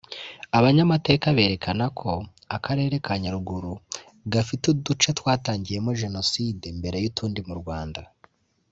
Abanyamateka berekana ko akarere ka Nyaruguru gafite uduce twatangiyemo Jenoside mbere y’utundi mu Rwanda